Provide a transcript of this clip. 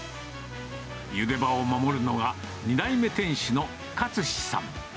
ゆで場を守るのは、２代目店主の克司さん。